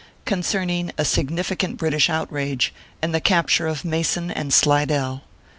CONCERNING A. SIGNIFICANT BRITISH OUTRAGE, AND THE CAPTURE OF MASON AND SLIDELL.